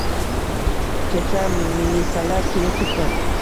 Kecha milisalar kelib ketgan.